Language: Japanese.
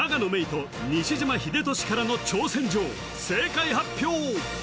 郁と西島秀俊からの挑戦状正解発表！